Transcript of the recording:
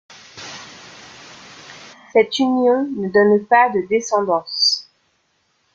Cette union ne donne pas de descendance.